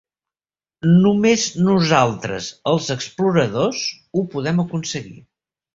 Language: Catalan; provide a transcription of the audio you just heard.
Només nosaltres els exploradors ho podem aconseguir.